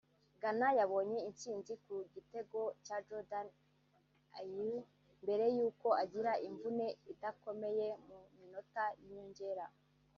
Ghana yabonye intsinzi ku gitego cya Jordan Ayew mbere y’uko agira imvune idakomeye mu minota y’inyongera